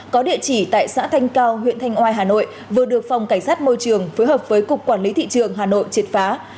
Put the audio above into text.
có địa chỉ tại xã thanh cao huyện thanh oai hà nội vừa được phòng cảnh sát môi trường phối hợp với cục quản lý thị trường hà nội triệt phá